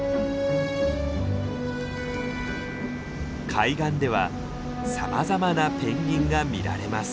海岸ではさまざまなペンギンが見られます。